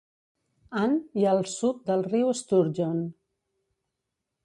Anne i el sud del riu Sturgeon.